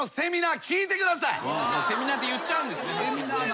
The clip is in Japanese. セミナーって言っちゃうんですね？